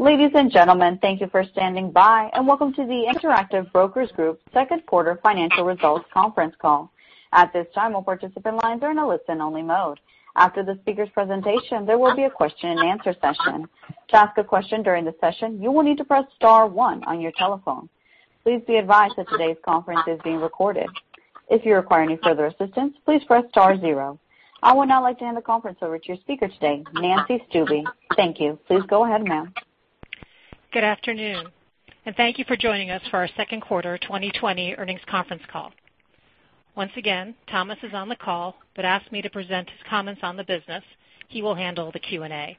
Ladies and gentlemen, thank you for standing by, and welcome to the Interactive Brokers Group second quarter financial results conference call. At this time, all participant lines are in a listen-only mode. After the speakers' presentation, there will be a question and answer session. To ask a question during the session, you will need to press star one on your telephone. Please be advised that today's conference is being recorded. If you require any further assistance, please press star zero. I would now like to hand the conference over to your speaker today, Nancy Stuebe. Thank you. Please go ahead, ma'am. Good afternoon. Thank you for joining us for our second quarter 2020 earnings conference call. Once again, Thomas is on the call but asked me to present his comments on the business. He will handle the Q&A.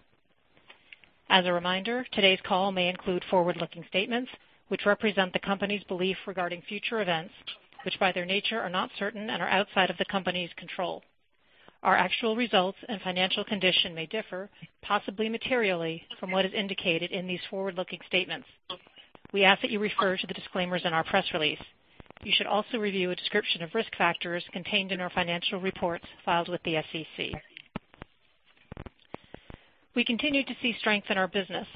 As a reminder, today's call may include forward-looking statements which represent the company's belief regarding future events, which by their nature are not certain and are outside of the company's control. Our actual results and financial condition may differ, possibly materially, from what is indicated in these forward-looking statements. We ask that you refer to the disclaimers in our press release. You should also review a description of risk factors contained in our financial reports filed with the SEC. We continued to see strength in our business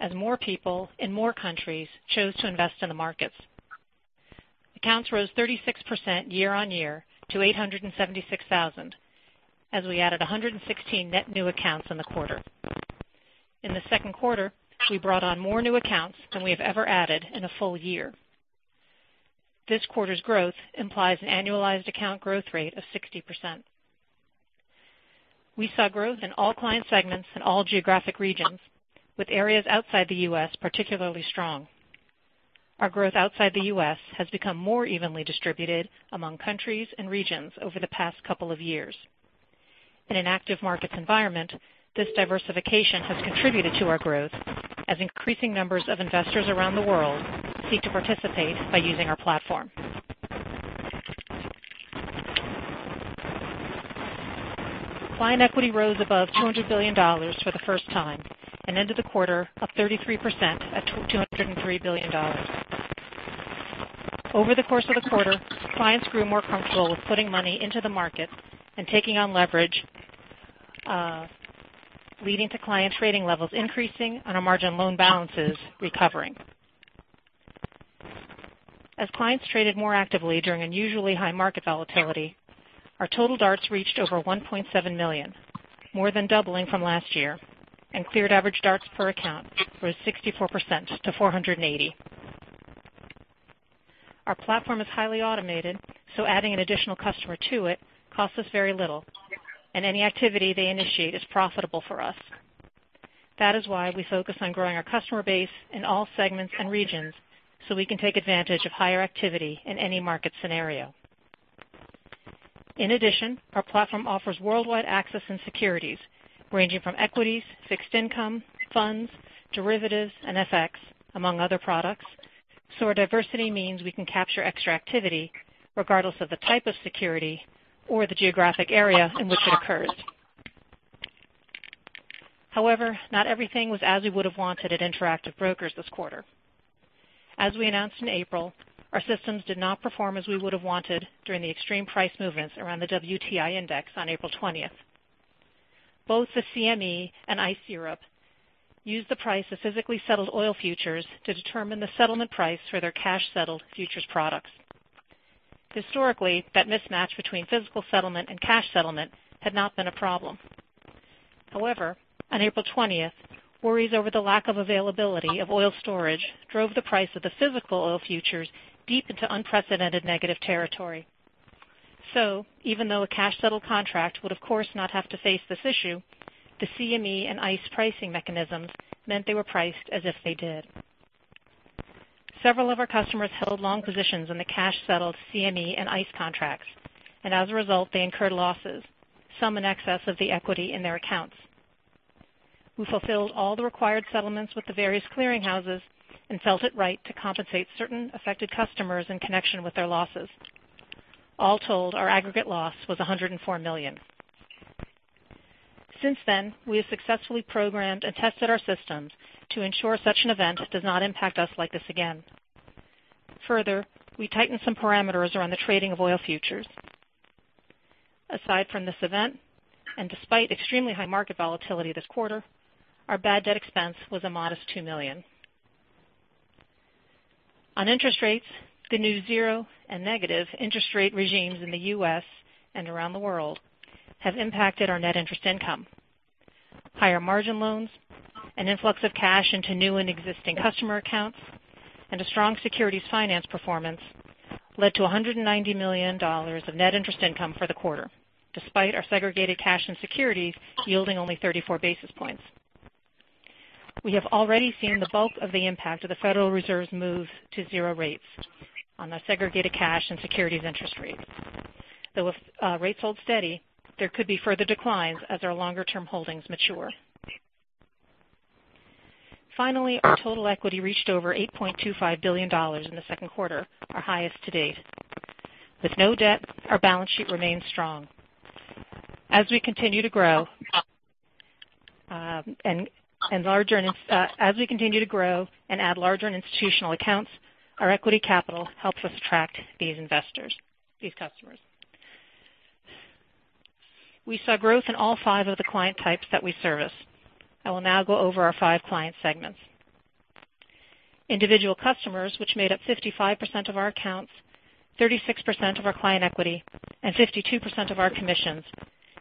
as more people in more countries chose to invest in the markets. Accounts rose 36% year-over-year to 876,000 as we added 116,000 net new accounts in the quarter. In the second quarter, we brought on more new accounts than we have ever added in a full year. This quarter's growth implies an annualized account growth rate of 60%. We saw growth in all client segments and all geographic regions, with areas outside the U.S. particularly strong. Our growth outside the U.S. has become more evenly distributed among countries and regions over the past couple of years. In an active markets environment, this diversification has contributed to our growth as increasing numbers of investors around the world seek to participate by using our platform. Client equity rose above $200 billion for the first time and ended the quarter up 33% at $203 billion. Over the course of the quarter, clients grew more comfortable with putting money into the market and taking on leverage, leading to client trading levels increasing and our margin loan balances recovering. As clients traded more actively during unusually high market volatility, our total DARTs reached over 1.7 million, more than doubling from last year, and cleared average DARTs per account rose 64% to 480. Our platform is highly automated, so adding an additional customer to it costs us very little, and any activity they initiate is profitable for us. That is why we focus on growing our customer base in all segments and regions so we can take advantage of higher activity in any market scenario. In addition, our platform offers worldwide access and securities ranging from equities, fixed income, funds, derivatives, and FX, among other products. Our diversity means we can capture extra activity regardless of the type of security or the geographic area in which it occurs. However, not everything was as we would have wanted at Interactive Brokers this quarter. As we announced in April, our systems did not perform as we would have wanted during the extreme price movements around the WTI index on April 20th. Both the CME and ICE Europe use the price of physically settled oil futures to determine the settlement price for their cash-settled futures products. Historically, that mismatch between physical settlement and cash settlement had not been a problem. However, on April 20th, worries over the lack of availability of oil storage drove the price of the physical oil futures deep into unprecedented negative territory. Even though a cash settle contract would of course not have to face this issue, the CME and ICE pricing mechanisms meant they were priced as if they did. Several of our customers held long positions in the cash-settled CME and ICE contracts, and as a result, they incurred losses, some in excess of the equity in their accounts. We fulfilled all the required settlements with the various clearing houses and felt it right to compensate certain affected customers in connection with their losses. All told, our aggregate loss was $104 million. Since then, we have successfully programmed and tested our systems to ensure such an event does not impact us like this again. Further, we tightened some parameters around the trading of oil futures. Aside from this event, and despite extremely high market volatility this quarter, our bad debt expense was a modest $2 million. On interest rates, the new zero and negative interest rate regimes in the U.S. and around the world have impacted our net interest income. Higher margin loans, an influx of cash into new and existing customer accounts, and a strong securities finance performance led to $190 million of net interest income for the quarter, despite our segregated cash and securities yielding only 34 basis points. We have already seen the bulk of the impact of the Federal Reserve's move to zero rates on our segregated cash and securities interest rates. Though if rates hold steady, there could be further declines as our longer-term holdings mature. Finally, our total equity reached over $8.25 billion in the second quarter, our highest to date. With no debt, our balance sheet remains strong. As we continue to grow and add larger and institutional accounts, our equity capital helps us attract these customers. We saw growth in all 5 of the client types that we service. I will now go over our 5 client segments. Individual customers, which made up 55% of our accounts, 36% of our client equity, and 52% of our commissions,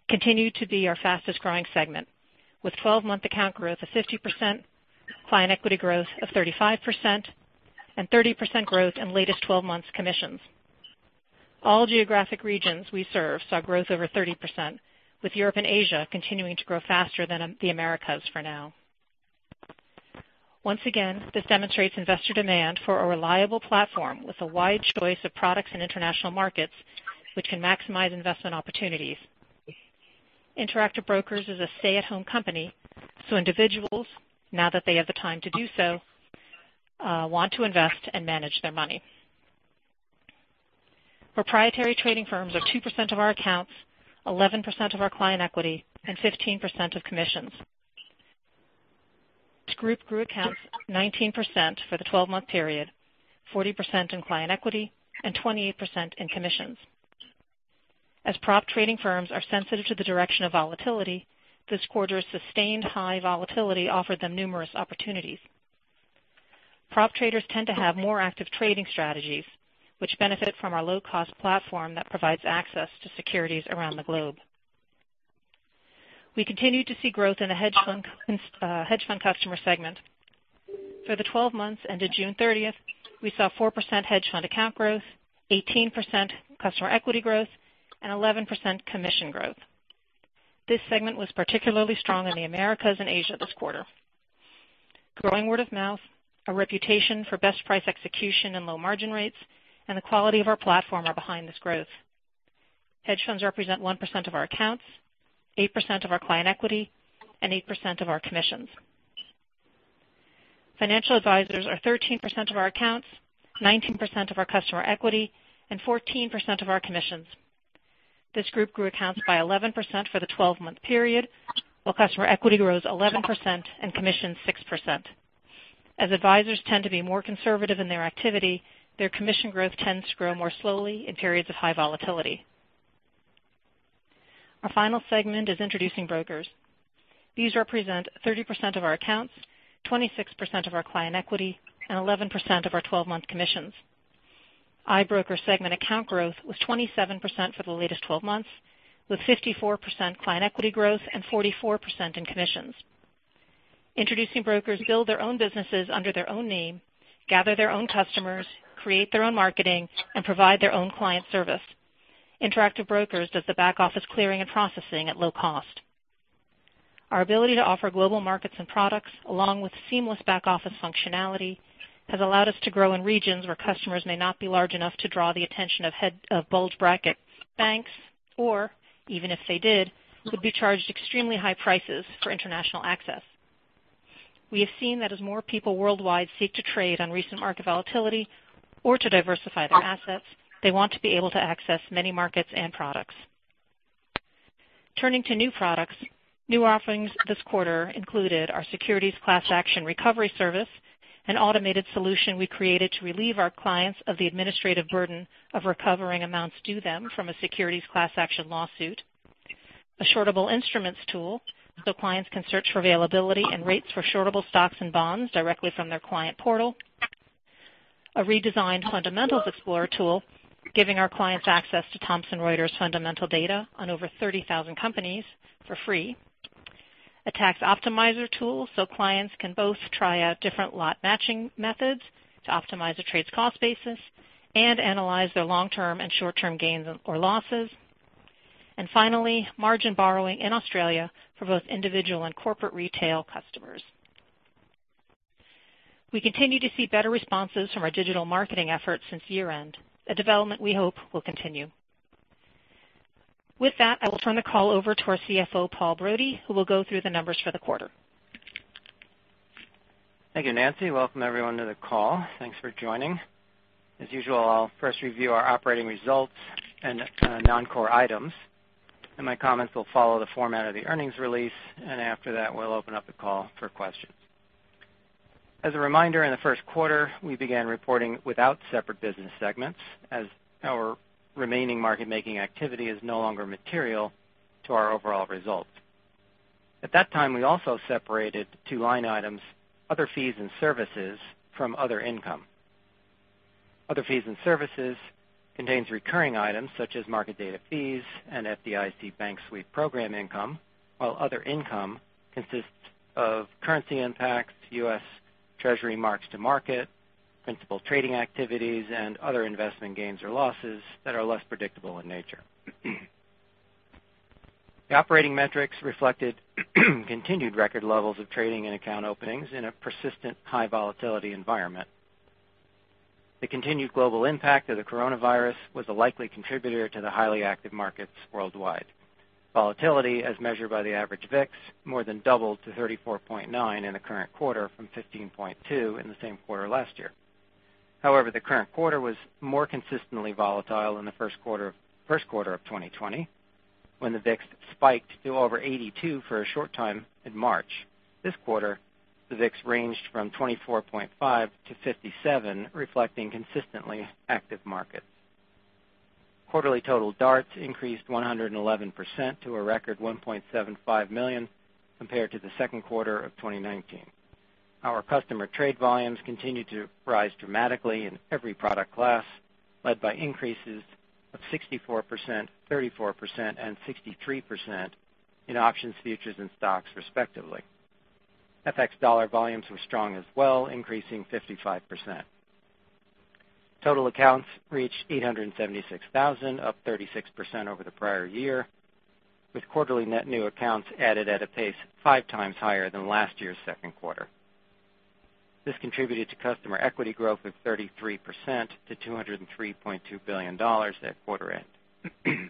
continue to be our fastest-growing segment, with 12-month account growth of 50%, client equity growth of 35%, and 30% growth in latest 12 months commissions. All geographic regions we serve saw growth over 30%, with Europe and Asia continuing to grow faster than the Americas for now. Once again, this demonstrates investor demand for a reliable platform with a wide choice of products and international markets which can maximize investment opportunities. Interactive Brokers is a stay-at-home company, so individuals, now that they have the time to do so, want to invest and manage their money. Proprietary trading firms are 2% of our accounts, 11% of our client equity, and 15% of commissions. This group grew accounts 19% for the 12-month period, 40% in client equity, and 28% in commissions. As prop trading firms are sensitive to the direction of volatility, this quarter's sustained high volatility offered them numerous opportunities. Prop traders tend to have more active trading strategies, which benefit from our low-cost platform that provides access to securities around the globe. We continued to see growth in the hedge fund customer segment. For the 12 months ended June 30th, we saw 4% hedge fund account growth, 18% customer equity growth, and 11% commission growth. This segment was particularly strong in the Americas and Asia this quarter. Growing word of mouth, a reputation for best price execution and low margin rates, and the quality of our platform are behind this growth. Hedge funds represent 1% of our accounts, 8% of our client equity, and 8% of our commissions. Financial advisors are 13% of our accounts, 19% of our customer equity, and 14% of our commissions. This group grew accounts by 11% for the 12-month period, while customer equity grows 11% and commissions 6%. As advisors tend to be more conservative in their activity, their commission growth tends to grow more slowly in periods of high volatility. Our final segment is introducing brokers. These represent 30% of our accounts, 26% of our client equity, and 11% of our 12-month commissions. IBroker segment account growth was 27% for the latest 12 months, with 54% client equity growth and 44% in commissions. Introducing brokers build their own businesses under their own name, gather their own customers, create their own marketing, and provide their own client service. Interactive Brokers does the back-office clearing and processing at low cost. Our ability to offer global markets and products, along with seamless back-office functionality, has allowed us to grow in regions where customers may not be large enough to draw the attention of bulge bracket banks, or even if they did, would be charged extremely high prices for international access. We have seen that as more people worldwide seek to trade on recent market volatility or to diversify their assets, they want to be able to access many markets and products. Turning to new products, new offerings this quarter included our securities class action recovery service, an automated solution we created to relieve our clients of the administrative burden of recovering amounts due them from a securities class action lawsuit, a shortable instruments tool so clients can search for availability and rates for shortable stocks and bonds directly from their client portal, a redesigned Fundamentals Explorer tool, giving our clients access to Thomson Reuters fundamental data on over 30,000 companies for free, a tax optimizer tool so clients can both try out different lot matching methods to optimize a trade's cost basis and analyze their long-term and short-term gains or losses, and finally, margin borrowing in Australia for both individual and corporate retail customers. We continue to see better responses from our digital marketing efforts since year-end, a development we hope will continue. With that, I will turn the call over to our CFO, Paul Brody, who will go through the numbers for the quarter. Thank you, Nancy. Welcome, everyone, to the call. Thanks for joining. As usual, I'll first review our operating results and non-core items. My comments will follow the format of the earnings release, and after that, we'll open up the call for questions. As a reminder, in the first quarter, we began reporting without separate business segments as our remaining market-making activity is no longer material to our overall result. At that time, we also separated two line items, other fees and services, from other income. Other fees and services contains recurring items such as market data fees and FDIC bank sweep program income, while other income consists of currency impacts, U.S. Treasury marks to market, principal trading activities, and other investment gains or losses that are less predictable in nature. The operating metrics reflected continued record levels of trading and account openings in a persistent high volatility environment. The continued global impact of the coronavirus was a likely contributor to the highly active markets worldwide. Volatility, as measured by the average VIX, more than doubled to 34.9 in the current quarter from 15.2 in the same quarter last year. The current quarter was more consistently volatile than the first quarter of 2020, when the VIX spiked to over 82 for a short time in March. This quarter, the VIX ranged from 24.5 to 57, reflecting consistently active markets. Quarterly total DART increased 111% to a record 1.75 million compared to the second quarter of 2019. Our customer trade volumes continued to rise dramatically in every product class, led by increases of 64%, 34%, and 63% in options, futures, and stocks respectively. FX dollar volumes were strong as well, increasing 55%. Total accounts reached 876,000, up 36% over the prior year, with quarterly net new accounts added at a pace five times higher than last year's second quarter. This contributed to customer equity growth of 33% to $203.2 billion at quarter end.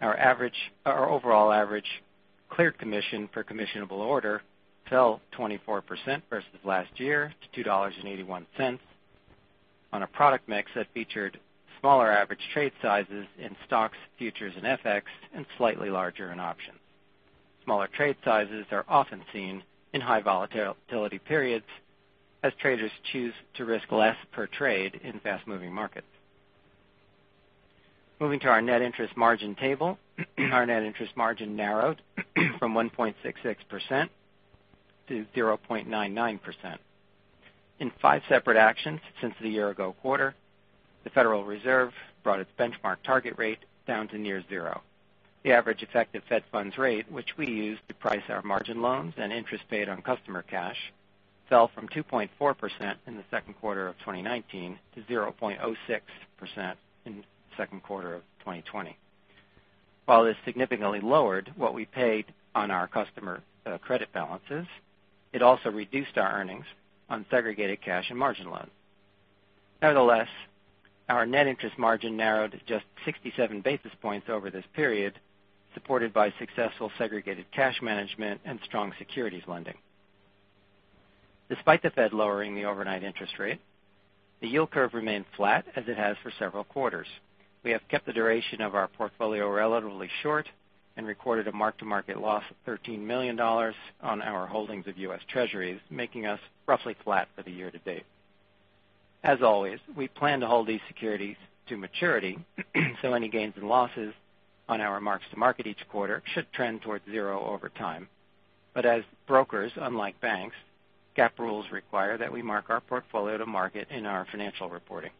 Our overall average clear commission per commissionable order fell 24% versus last year to $2.81 on a product mix that featured smaller average trade sizes in stocks, futures, and FX, and slightly larger in options. Smaller trade sizes are often seen in high volatility periods as traders choose to risk less per trade in fast-moving markets. Moving to our net interest margin table, our net interest margin narrowed from 1.66% to 0.99%. In five separate actions since the year ago quarter, the Federal Reserve brought its benchmark target rate down to near zero. The average effective Fed funds rate, which we use to price our margin loans and interest paid on customer cash, fell from 2.4% in the second quarter of 2019 to 0.06% in the second quarter of 2020. While this significantly lowered what we paid on our customer credit balances, it also reduced our earnings on segregated cash and margin loans. Nevertheless, our net interest margin narrowed just 67 basis points over this period, supported by successful segregated cash management and strong securities lending. Despite the Fed lowering the overnight interest rate, the yield curve remained flat as it has for several quarters. We have kept the duration of our portfolio relatively short and recorded a mark-to-market loss of $13 million on our holdings of US Treasuries, making us roughly flat for the year to date. As always, we plan to hold these securities to maturity, so any gains and losses on our marks to market each quarter should trend towards zero over time. As brokers, unlike banks, GAAP rules require that we mark our portfolio to market in our financial reporting.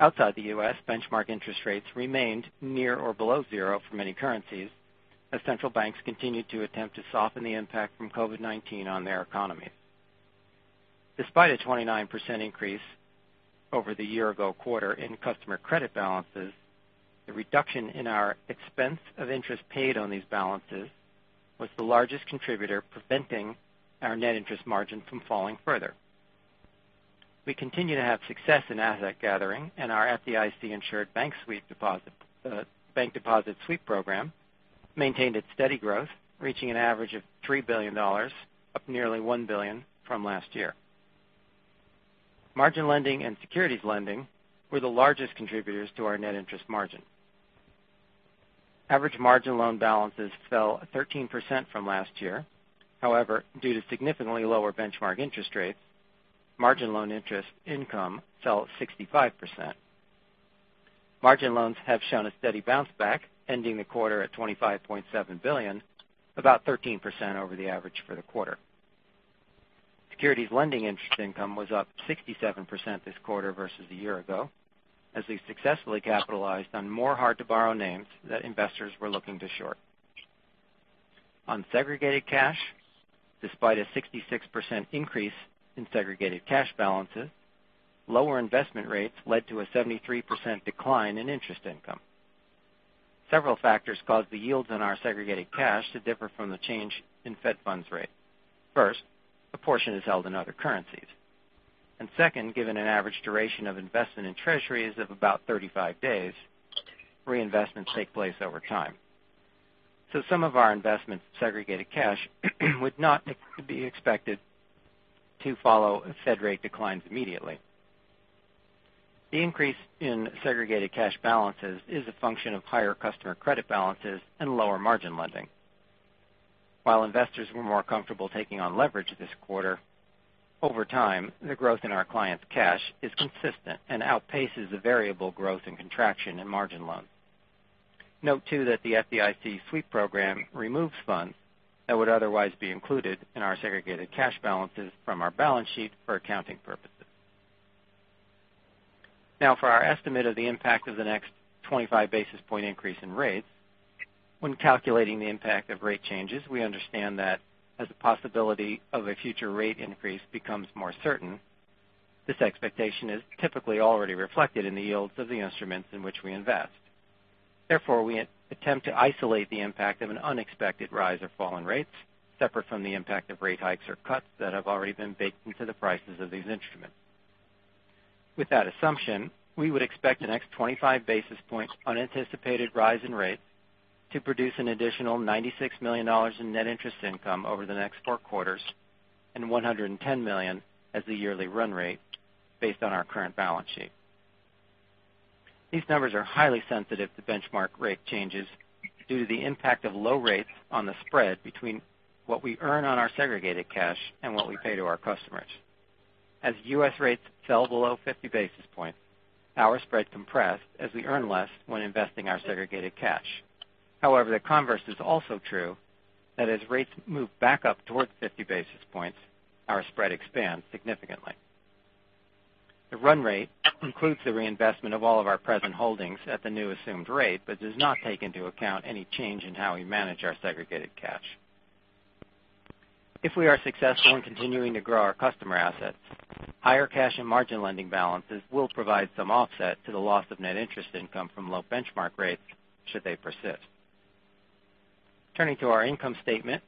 Outside the U.S., benchmark interest rates remained near or below zero for many currencies as central banks continued to attempt to soften the impact from COVID-19 on their economies. Despite a 29% increase over the year ago quarter in customer credit balances, the reduction in our expense of interest paid on these balances was the largest contributor preventing our net interest margin from falling further. We continue to have success in asset gathering, and our FDIC-insured bank deposit sweep program maintained its steady growth, reaching an average of $3 billion, up nearly 1 billion from last year. Margin lending and securities lending were the largest contributors to our net interest margin. Average margin loan balances fell 13% from last year. Due to significantly lower benchmark interest rates, margin loan interest income fell 65%. Margin loans have shown a steady bounce back, ending the quarter at $25.7 billion, about 13% over the average for the quarter. Securities lending interest income was up 67% this quarter versus a year ago, as we successfully capitalized on more hard-to-borrow names that investors were looking to short. On segregated cash, despite a 66% increase in segregated cash balances, lower investment rates led to a 73% decline in interest income. Several factors caused the yields on our segregated cash to differ from the change in Fed funds rate. A portion is held in other currencies. Second, given an average duration of investment in US Treasuries of about 35 days, reinvestments take place over time. Some of our investments in segregated cash would not be expected to follow Fed rate declines immediately. The increase in segregated cash balances is a function of higher customer credit balances and lower margin lending. While investors were more comfortable taking on leverage this quarter, over time, the growth in our clients' cash is consistent and outpaces the variable growth and contraction in margin loans. Note, too, that the FDIC sweep program removes funds that would otherwise be included in our segregated cash balances from our balance sheet for accounting purposes. Now for our estimate of the impact of the next 25 basis point increase in rates. When calculating the impact of rate changes, we understand that as the possibility of a future rate increase becomes more certain, this expectation is typically already reflected in the yields of the instruments in which we invest. Therefore, we attempt to isolate the impact of an unexpected rise or fall in rates separate from the impact of rate hikes or cuts that have already been baked into the prices of these instruments. With that assumption, we would expect the next 25 basis points unanticipated rise in rates to produce an additional $96 million in net interest income over the next four quarters and $110 million as the yearly run rate based on our current balance sheet. These numbers are highly sensitive to benchmark rate changes due to the impact of low rates on the spread between what we earn on our segregated cash and what we pay to our customers. As U.S. rates fell below 50 basis points, our spread compressed as we earn less when investing our segregated cash. The converse is also true that as rates move back up towards 50 basis points, our spread expands significantly. The run rate includes the reinvestment of all of our present holdings at the new assumed rate, but does not take into account any change in how we manage our segregated cash. If we are successful in continuing to grow our customer assets, higher cash and margin lending balances will provide some offset to the loss of net interest income from low benchmark rates should they persist. Turning to our income statement,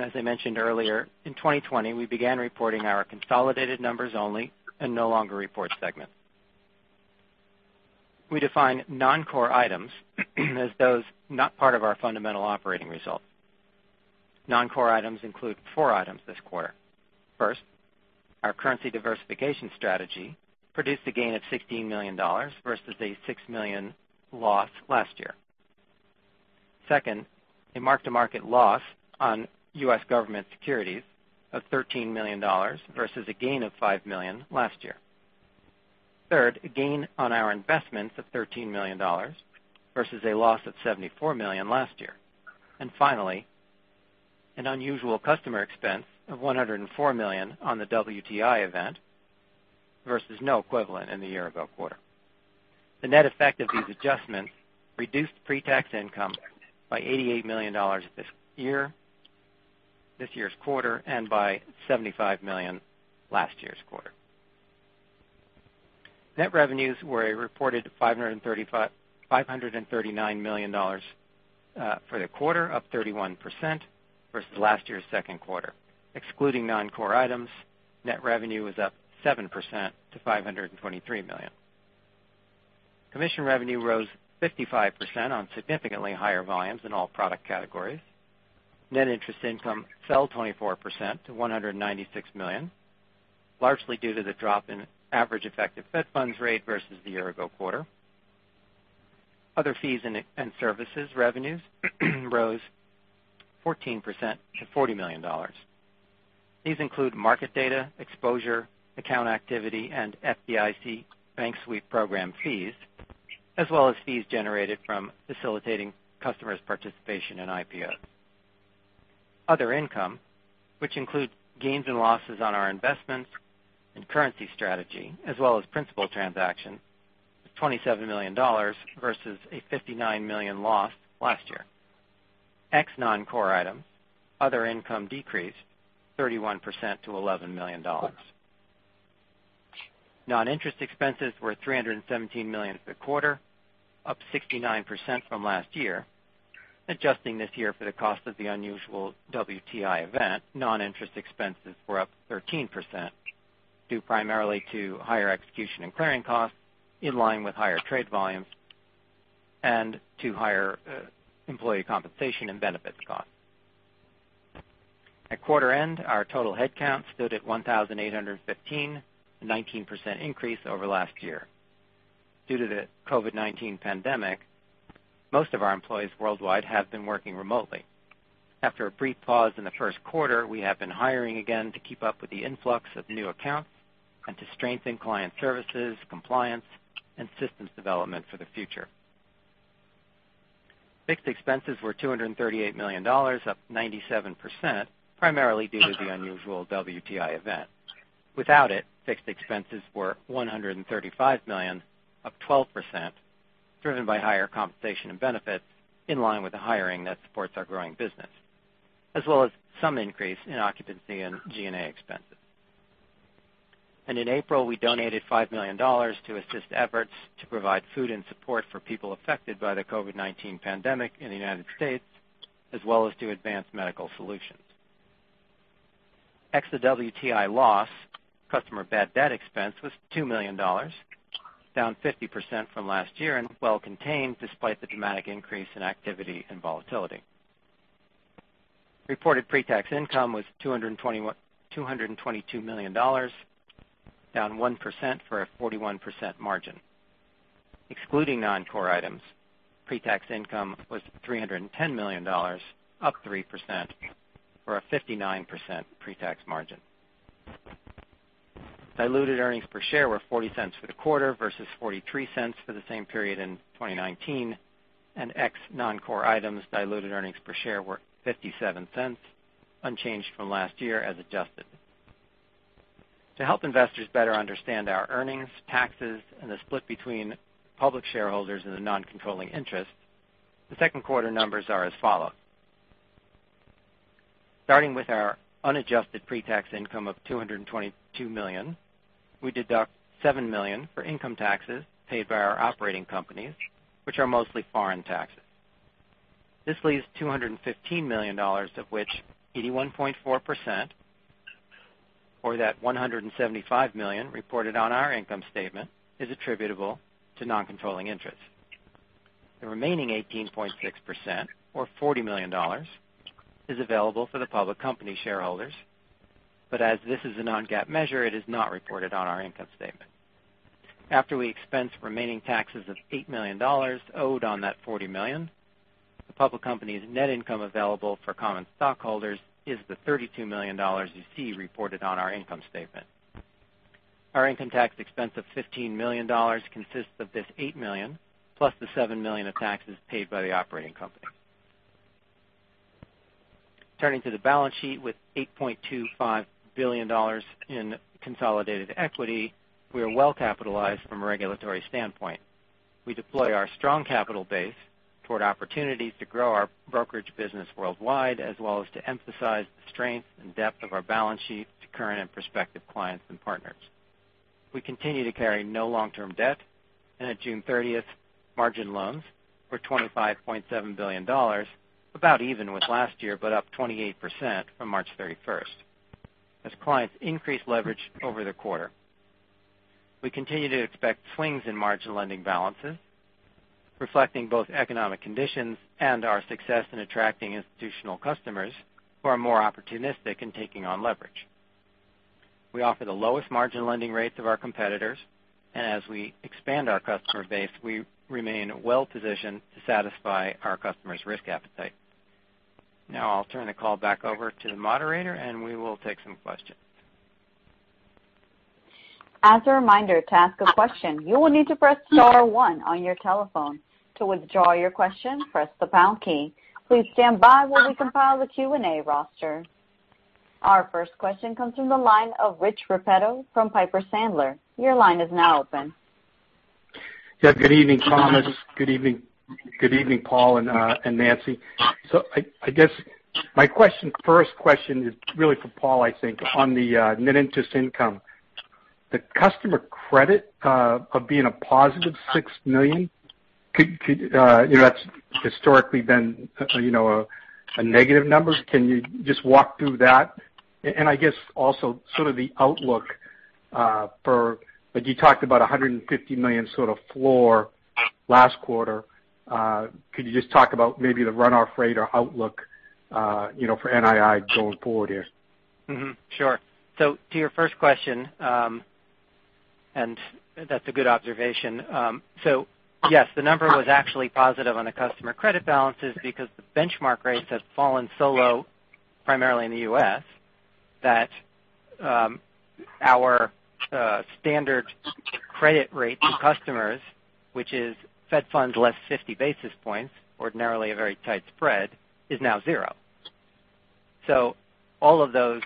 as I mentioned earlier, in 2020, we began reporting our consolidated numbers only and no longer report segments. We define non-core items as those not part of our fundamental operating results. Non-core items include four items this quarter. First, our currency diversification strategy produced a gain of $16 million versus a $6 million loss last year. Second, a mark-to-market loss on US government securities of $13 million versus a gain of $5 million last year. Third, a gain on our investments of $13 million versus a loss of $74 million last year. Finally, an unusual customer expense of $104 million on the WTI event versus no equivalent in the year-ago quarter. The net effect of these adjustments reduced pre-tax income by $88 million this year's quarter, and by $75 million last year's quarter. Net revenues were a reported $539 million for the quarter, up 31% versus last year's second quarter. Excluding non-core items, net revenue was up 7% to $523 million. Commission revenue rose 55% on significantly higher volumes in all product categories. Net interest income fell 24% to $196 million, largely due to the drop in average effective Fed funds rate versus the year-ago quarter. Other fees and services revenues rose 14% to $40 million. These include market data, exposure, account activity, and FDIC bank sweep program fees, as well as fees generated from facilitating customers' participation in IPOs. Other income, which includes gains and losses on our investments and currency strategy, as well as principal transactions, was $27 million versus a $59 million loss last year. Ex non-core items, other income decreased 31% to $11 million. Non-interest expenses were $317 million for the quarter, up 69% from last year. Adjusting this year for the cost of the unusual WTI event, non-interest expenses were up 13%, due primarily to higher execution and clearing costs, in line with higher trade volumes, and to higher employee compensation and benefits costs. At quarter end, our total headcount stood at 1,815, a 19% increase over last year. Due to the COVID-19 pandemic, most of our employees worldwide have been working remotely. After a brief pause in the first quarter, we have been hiring again to keep up with the influx of new accounts and to strengthen client services, compliance, and systems development for the future. Fixed expenses were $238 million, up 97%, primarily due to the unusual WTI event. Without it, fixed expenses were $135 million, up 12%, driven by higher compensation and benefits in line with the hiring that supports our growing business, as well as some increase in occupancy and G&A expenses. In April, we donated $5 million to assist efforts to provide food and support for people affected by the COVID-19 pandemic in the U.S., as well as to advance medical solutions. Ex the WTI loss, customer bad debt expense was $2 million, down 50% from last year and well contained despite the dramatic increase in activity and volatility. Reported pre-tax income was $222 million, down 1% for a 41% margin. Excluding non-core items, pre-tax income was $310 million, up 3%, for a 59% pre-tax margin. Diluted earnings per share were $0.40 for the quarter versus $0.43 for the same period in 2019, and ex non-core items, diluted earnings per share were $0.57, unchanged from last year as adjusted. To help investors better understand our earnings, taxes, and the split between public shareholders and the non-controlling interest, the second quarter numbers are as follows. Starting with our unadjusted pre-tax income of $222 million, we deduct $7 million for income taxes paid by our operating companies, which are mostly foreign taxes. This leaves $215 million, of which 81.4%, or that $175 million reported on our income statement, is attributable to non-controlling interest. As this is a non-GAAP measure, it is not reported on our income statement. After we expense remaining taxes of $8 million owed on that $40 million, the public company's net income available for common stockholders is the $32 million you see reported on our income statement. Our income tax expense of $15 million consists of this $8 million plus the $7 million of taxes paid by the operating company. Turning to the balance sheet with $8.25 billion in consolidated equity, we are well-capitalized from a regulatory standpoint. We deploy our strong capital base toward opportunities to grow our brokerage business worldwide, as well as to emphasize the strength and depth of our balance sheet to current and prospective clients and partners. We continue to carry no long-term debt, and at June 30th, margin loans were $25.7 billion, about even with last year, but up 28% from March 31st as clients increased leverage over the quarter. We continue to expect swings in margin lending balances, reflecting both economic conditions and our success in attracting institutional customers who are more opportunistic in taking on leverage. We offer the lowest margin lending rates of our competitors, and as we expand our customer base, we remain well-positioned to satisfy our customers' risk appetite. I'll turn the call back over to the moderator, and we will take some questions. As a reminder, to ask a question, you will need to press star one on your telephone. To withdraw your question, press the pound key. Please stand by while we compile the Q&A roster. Our first question comes from the line of Rich Repetto from Piper Sandler. Your line is now open. Good evening, Thomas. Good evening, Paul and Nancy. I guess my first question is really for Paul, I think, on the net interest income. The customer credit of being a positive $6 million. That's historically been a negative number. Can you just walk through that? I guess also sort of the outlook. You talked about a $150 million sort of floor last quarter. Could you just talk about maybe the runoff rate or outlook for NII going forward here? Sure. To your first question, and that's a good observation. Yes, the number was actually positive on the customer credit balances because the benchmark rates have fallen so low, primarily in the U.S., that our standard credit rate to customers, which is Fed funds less 50 basis points, ordinarily a very tight spread, is now zero. All of those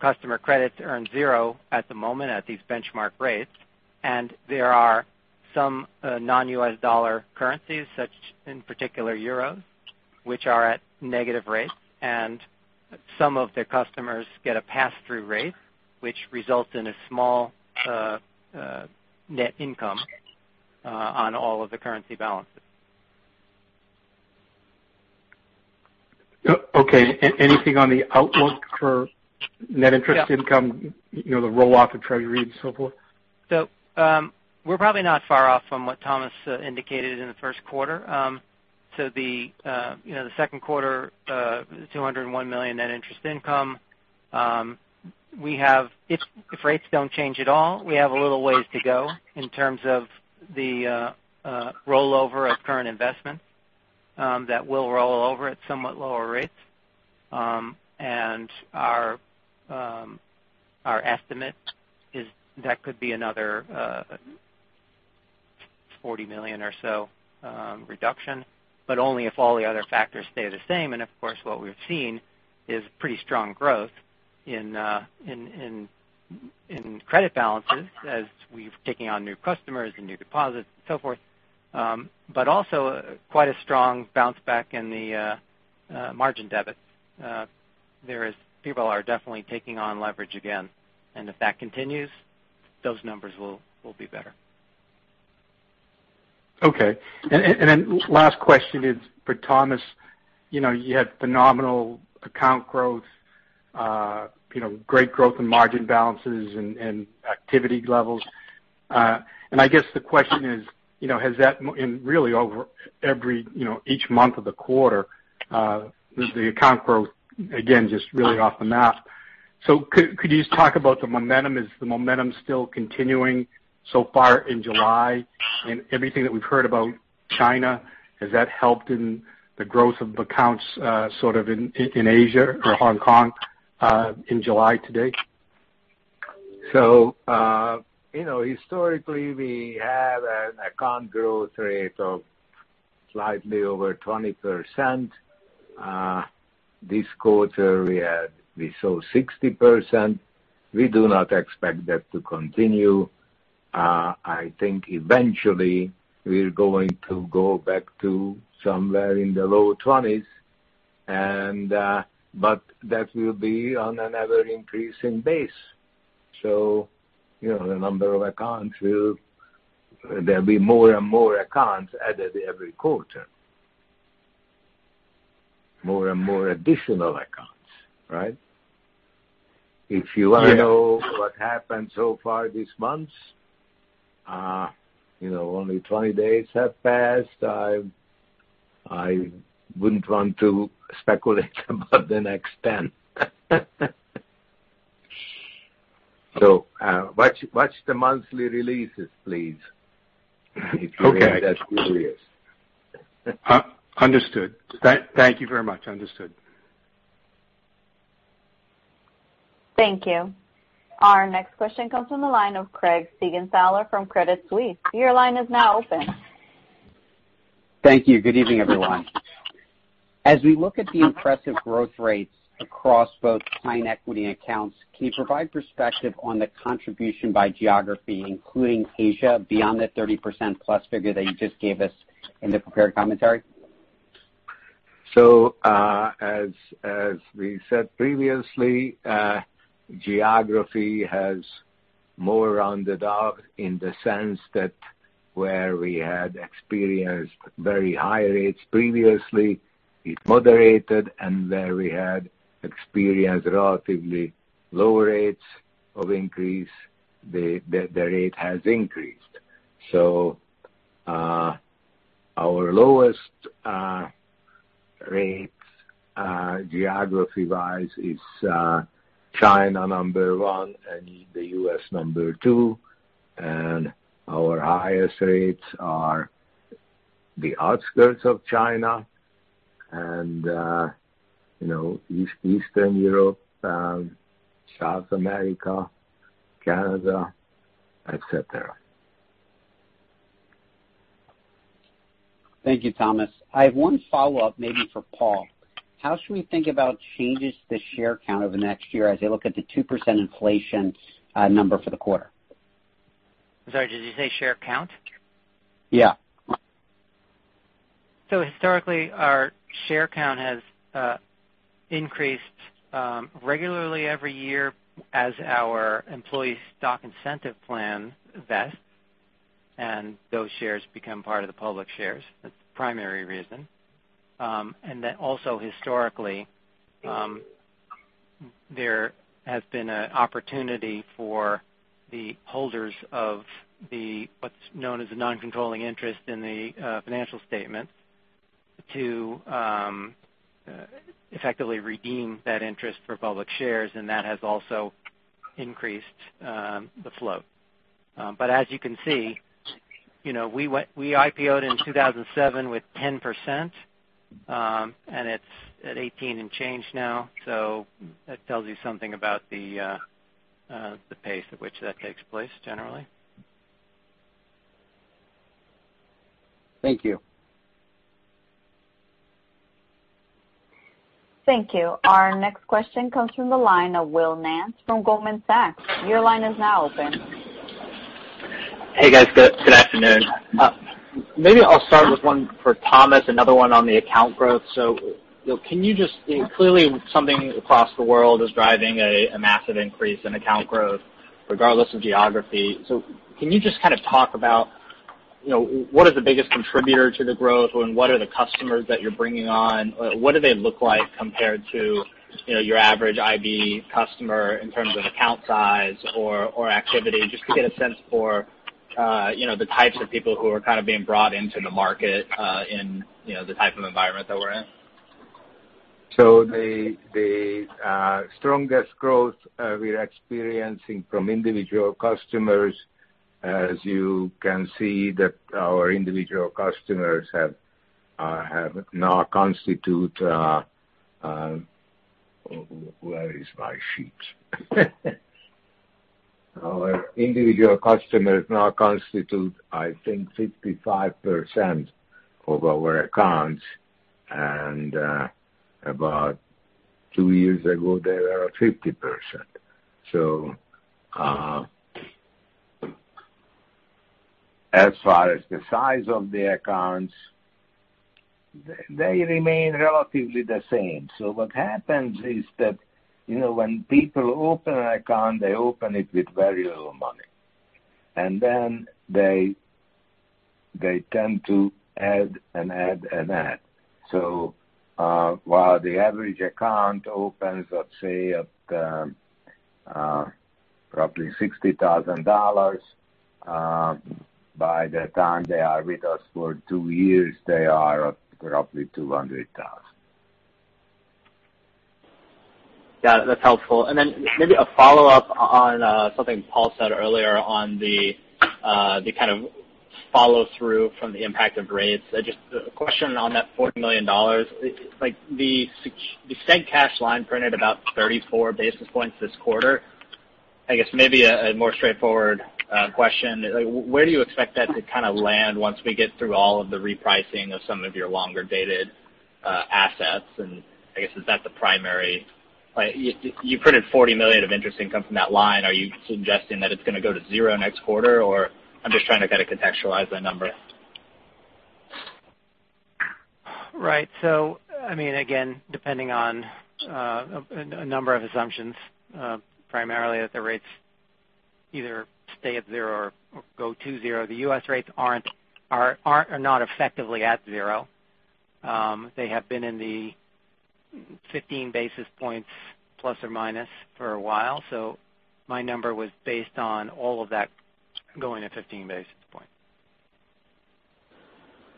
customer credits earn zero at the moment at these benchmark rates, and there are some non-U.S. dollar currencies, such in particular euros, which are at negative rates, and some of their customers get a pass-through rate, which results in a small net income on all of the currency balances. Okay. Anything on the outlook for net interest income, the roll-off of Treasury and so forth? We're probably not far off from what Thomas indicated in the first quarter. The second quarter, $201 million net interest income. If rates don't change at all, we have a little ways to go in terms of the rollover of current investments that will roll over at somewhat lower rates. Our estimate is that could be another $40 million or so reduction, but only if all the other factors stay the same. Of course, what we've seen is pretty strong growth in credit balances as we've taken on new customers and new deposits and so forth, but also quite a strong bounce back in the margin debit. People are definitely taking on leverage again, and if that continues, those numbers will be better. Last question is for Thomas. You had phenomenal account growth, great growth in margin balances and activity levels. I guess the question is, has that in really over each month of the quarter, the account growth, again, just really off the map. Could you just talk about the momentum? Is the momentum still continuing so far in July? Everything that we've heard about China, has that helped in the growth of accounts sort of in Asia or Hong Kong in July today? Historically, we had an account growth rate of slightly over 20%. This quarter, we saw 60%. We do not expect that to continue. I think eventually we're going to go back to somewhere in the low 20s, but that will be on an ever-increasing base. There'll be more and more accounts added every quarter. More and more additional accounts, right? Yeah. If you want to know what happened so far this month, only 20 days have passed. I wouldn't want to speculate about the next 10. Watch the monthly releases, please. Okay. If you're really that curious. Understood. Thank you very much. Understood. Thank you. Our next question comes from the line of Craig Siegenthaler from Credit Suisse. Your line is now open. Thank you. Good evening, everyone. As we look at the impressive growth rates across both client equity accounts, can you provide perspective on the contribution by geography, including Asia, beyond the 30% plus figure that you just gave us in the prepared commentary? As we said previously, geography has more rounded out in the sense that where we had experienced very high rates previously, it moderated, and where we had experienced relatively lower rates of increase, the rate has increased. Our lowest rates geography-wise is China, number 1, and the U.S., number 2, and our highest rates are the outskirts of China and Eastern Europe, South America, Canada, et cetera. Thank you, Thomas. I have one follow-up, maybe for Paul. How should we think about changes to share count over the next year as I look at the 2% inflation number for the quarter? Sorry, did you say share count? Yeah. Historically, our share count has increased regularly every year as our employee stock incentive plan vests, and those shares become part of the public shares. That's the primary reason. Also historically, there has been an opportunity for the holders of the what's known as a non-controlling interest in the financial statements to effectively redeem that interest for public shares, and that has also increased the flow. As you can see, we IPO'd in 2007 with 10%, and it's at 18 and change now. That tells you something about the pace at which that takes place generally. Thank you. Thank you. Our next question comes from the line of Will Nance from Goldman Sachs. Your line is now open. Hey, guys. Good afternoon. Maybe I'll start with one for Thomas, another one on the account growth. Clearly something across the world is driving a massive increase in account growth regardless of geography. Can you just talk about what is the biggest contributor to the growth, and what are the customers that you're bringing on? What do they look like compared to your average IB customer in terms of account size or activity, just to get a sense for the types of people who are being brought into the market in the type of environment that we're in. The strongest growth we are experiencing from individual customers, as you can see that our individual customers now constitute Where is my sheet? Our individual customers now constitute, I think, 55% of our accounts, and about two years ago they were 50%. As far as the size of the accounts, they remain relatively the same. What happens is that when people open an account, they open it with very little money, and then they tend to add and add and add. While the average account opens at, say, at roughly $60,000, by the time they are with us for two years, they are at roughly $200,000. Yeah, that's helpful. Then maybe a follow-up on something Paul said earlier on the follow-through from the impact of rates. Just a question on that $40 million. The seg cash line printed about 34 basis points this quarter. I guess maybe a more straightforward question, where do you expect that to land once we get through all of the repricing of some of your longer-dated assets? I guess, You printed $40 million of interest income from that line. Are you suggesting that it's going to go to zero next quarter, or I'm just trying to contextualize that number. Right. Again, depending on a number of assumptions, primarily that the rates either stay at zero or go to zero. The U.S. rates are not effectively at zero. They have been in the 15 basis points plus or minus for a while. My number was based on all of that going at 15 basis points.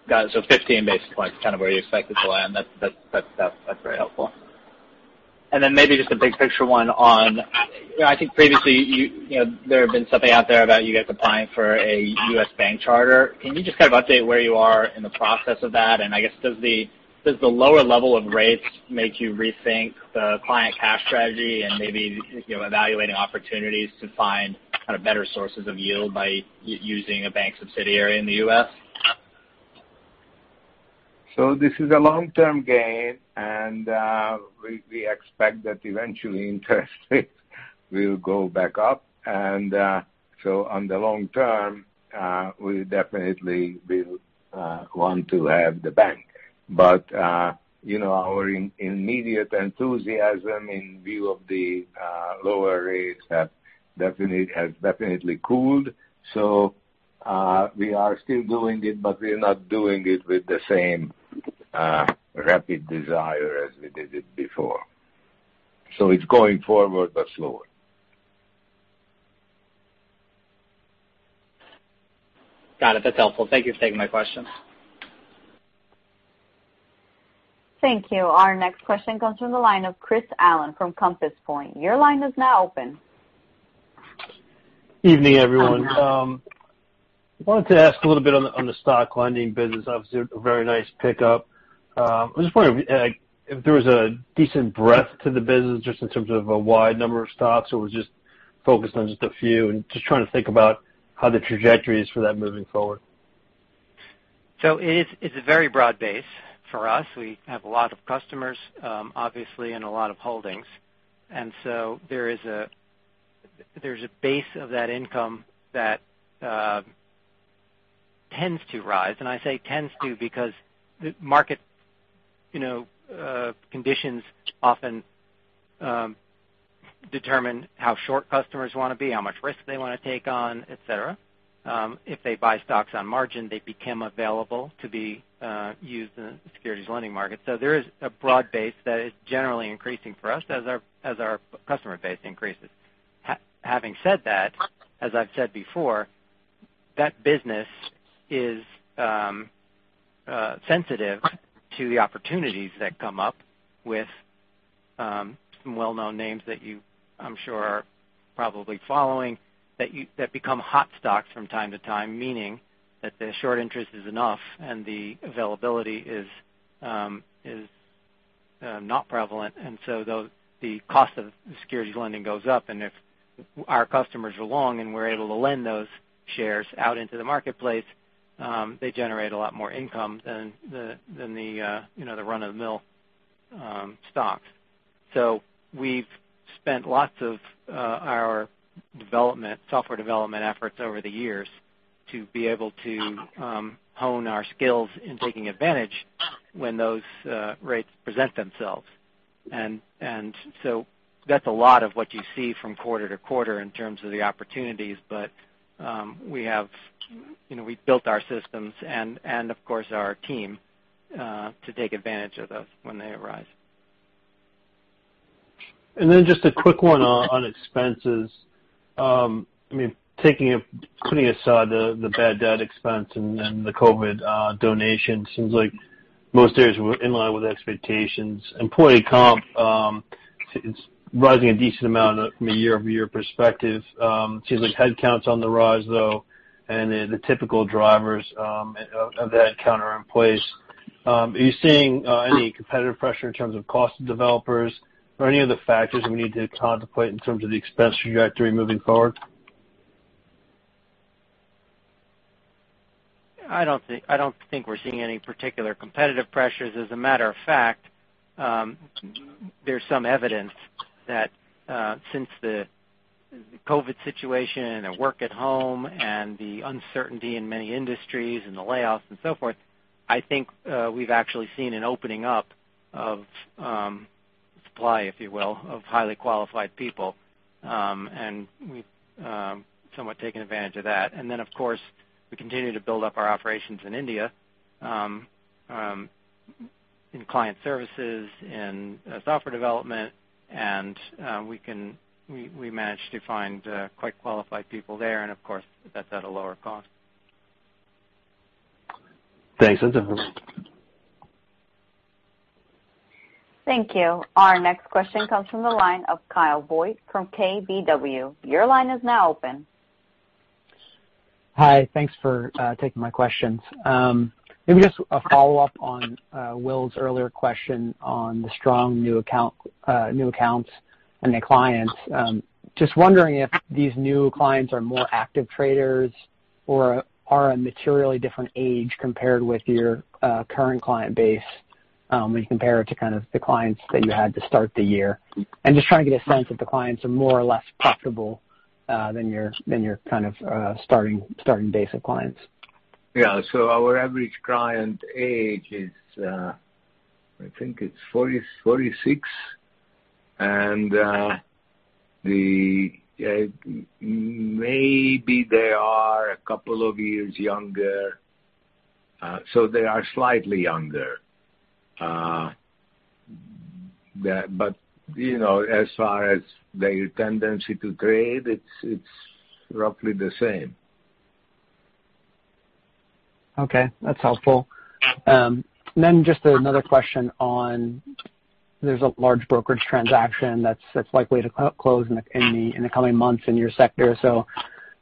Got it. 15 basis points, kind of where you expect it to land. That's very helpful. Then maybe just a big picture one on, I think previously, there had been something out there about you guys applying for a U.S. bank charter. Can you just kind of update where you are in the process of that? I guess, does the lower level of rates make you rethink the client cash strategy and maybe evaluating opportunities to find better sources of yield by using a bank subsidiary in the U.S.? This is a long-term gain, and we expect that eventually interest rates will go back up. On the long term, we definitely will want to have the bank. Our immediate enthusiasm in view of the lower rates has definitely cooled. We are still doing it, but we are not doing it with the same rapid desire as we did it before. It's going forward, but slower. Got it. That's helpful. Thank you for taking my questions. Thank you. Our next question comes from the line of Chris Allen from Compass Point. Your line is now open. Evening, everyone. I wanted to ask a little bit on the stock lending business. Obviously, a very nice pickup. I was just wondering if there was a decent breadth to the business, just in terms of a wide number of stocks, or was it just focused on just a few, and just trying to think about how the trajectory is for that moving forward. It's a very broad base for us. We have a lot of customers, obviously, and a lot of holdings. There's a base of that income that tends to rise. I say tends to because the market conditions often determine how short customers want to be, how much risk they want to take on, et cetera. If they buy stocks on margin, they become available to be used in the securities lending market. There is a broad base that is generally increasing for us as our customer base increases. Having said that, as I've said before, that business is sensitive to the opportunities that come up with some well-known names that you, I'm sure, are probably following that become hot stocks from time to time, meaning that the short interest is enough and the availability is not prevalent. The cost of the securities lending goes up, and if our customers are along and we're able to lend those shares out into the marketplace, they generate a lot more income than the run-of-the-mill stocks. We've spent lots of our software development efforts over the years to be able to hone our skills in taking advantage when those rates present themselves. That's a lot of what you see from quarter to quarter in terms of the opportunities. We've built our systems and of course, our team, to take advantage of those when they arise. Just a quick one on expenses. Putting aside the bad debt expense and then the COVID donation, seems like most areas were in line with expectations. Employee comp, it's rising a decent amount from a year-over-year perspective. Seems like headcount's on the rise, though, and the typical drivers of that count are in place. Are you seeing any competitive pressure in terms of cost of developers or any of the factors we need to contemplate in terms of the expense trajectory moving forward? I don't think we're seeing any particular competitive pressures. As a matter of fact, there's some evidence that since the COVID situation and the work at home and the uncertainty in many industries and the layoffs and so forth, I think we've actually seen an opening up of supply, if you will, of highly qualified people. We've somewhat taken advantage of that. Of course, we continue to build up our operations in India, in client services, in software development, and we managed to find quite qualified people there. Of course, that's at a lower cost. Thanks. That's helpful. Thank you. Our next question comes from the line of Kyle Voigt from KBW. Your line is now open. Hi. Thanks for taking my questions. Maybe just a follow-up on Will's earlier question on the strong new accounts and the clients. Just wondering if these new clients are more active traders or are a materially different age compared with your current client base when you compare it to kind of the clients that you had to start the year. Just trying to get a sense if the clients are more or less profitable than your kind of starting base of clients. Yeah. Our average client age is, I think it's 46. Maybe they are a couple of years younger, so they are slightly younger. As far as their tendency to trade, it's roughly the same. Okay, that's helpful. Just another question on there's a large brokerage transaction that's likely to close in the coming months in your sector.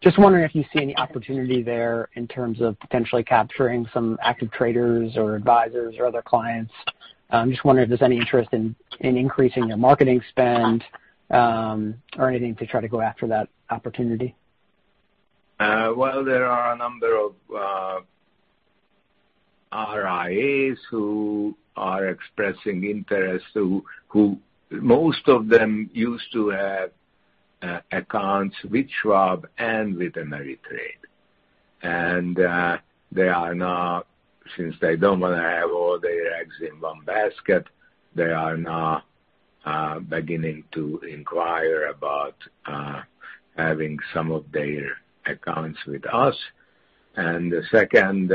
Just wondering if you see any opportunity there in terms of potentially capturing some active traders or advisors or other clients. I'm just wondering if there's any interest in increasing your marketing spend, or anything to try to go after that opportunity. Well, there are a number of RIAs who are expressing interest, who most of them used to have accounts with Schwab and with Ameritrade. Since they don't want to have all their eggs in one basket, they are now beginning to inquire about having some of their accounts with us. The second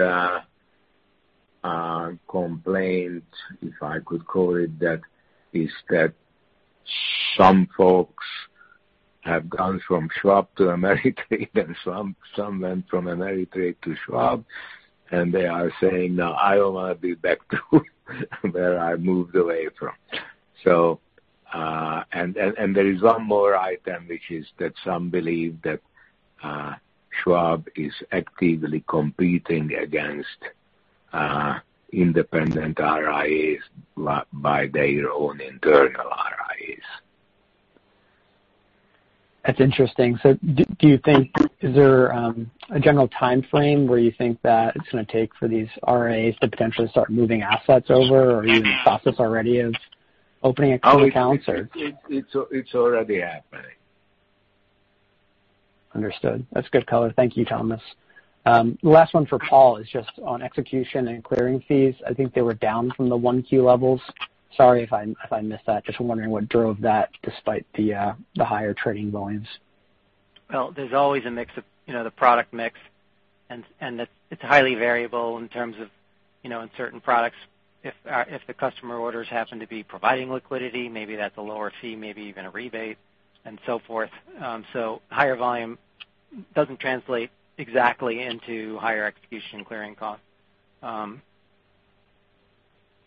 complaint, if I could call it that, is that some folks have gone from Schwab to Ameritrade and some went from Ameritrade to Schwab, and they are saying, "Now I want to be back to where I moved away from." There is one more item, which is that some believe that Schwab is actively competing against independent RIAs by their own internal RIAs. That's interesting. Do you think, is there a general timeframe where you think that it's going to take for these RIAs to potentially start moving assets over or are even in the process already of opening accounts? It's already happening. Understood. That's good color. Thank you, Thomas. Last one for Paul is just on execution and clearing fees. I think they were down from the 1Q levels. Sorry if I missed that. Just wondering what drove that despite the higher trading volumes. Well, there's always the product mix, and it's highly variable in terms of in certain products, if the customer orders happen to be providing liquidity, maybe that's a lower fee, maybe even a rebate and so forth. Higher volume doesn't translate exactly into higher execution clearing costs.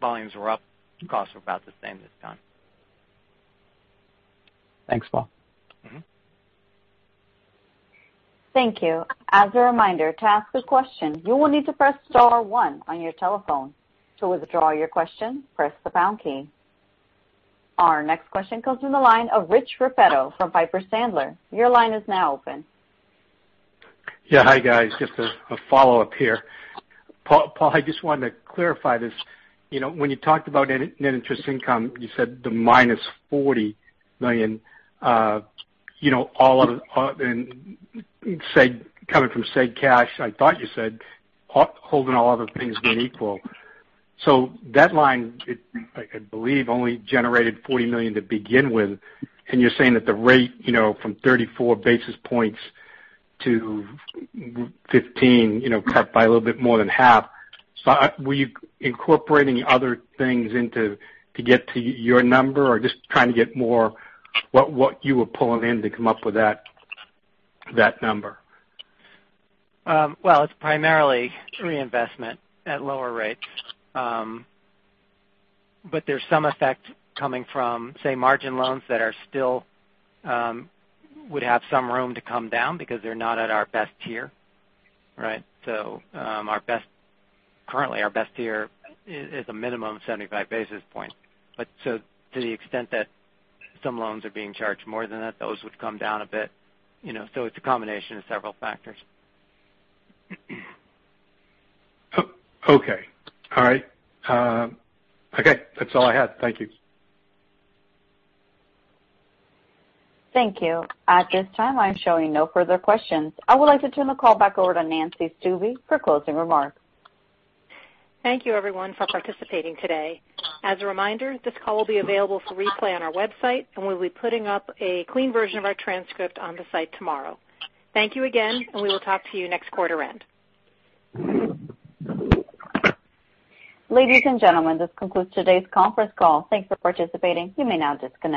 Volumes were up, costs were about the same this time. Thanks, Paul. Thank you. As a reminder, to ask a question, you will need to press star one on your telephone. To withdraw your question, press the pound key. Our next question comes from the line of Rich Repetto from Piper Sandler. Your line is now open. Yeah. Hi, guys. Just a follow-up here. Paul, I just wanted to clarify this. When you talked about net interest income, you said the minus $40 million, coming from seg cash. I thought you said holding all other things being equal. That line, I believe, only generated $40 million to begin with, and you're saying that the rate from 34 basis points to 15, cut by a little bit more than half. Were you incorporating other things to get to your number? Or just trying to get more what you were pulling in to come up with that number? Well, it's primarily reinvestment at lower rates. There's some effect coming from, say, margin loans that would have some room to come down because they're not at our best tier. Right? Currently our best tier is a minimum 75 basis point. To the extent that some loans are being charged more than that, those would come down a bit. It's a combination of several factors. Okay. All right. Okay, that's all I had. Thank you. Thank you. At this time, I'm showing no further questions. I would like to turn the call back over to Nancy Stuebe for closing remarks. Thank you, everyone, for participating today. As a reminder, this call will be available for replay on our website, and we'll be putting up a clean version of our transcript on the site tomorrow. Thank you again, and we will talk to you next quarter end. Ladies and gentlemen, this concludes today's conference call. Thanks for participating. You may now disconnect.